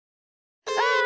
ああ！